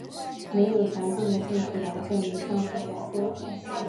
没有详尽的证据来证明上述假说。